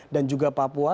dan juga papua